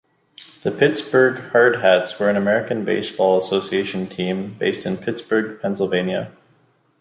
The Pittsburgh Hardhats were an American Basketball Association team based in Pittsburgh, Pennsylvania.